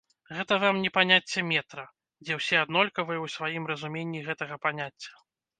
Гэта вам не паняцце метра, дзе ўсе аднолькавыя ў сваім разуменні гэтага паняцця.